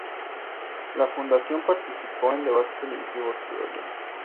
La Fundación participó en debates televisivos y radiales.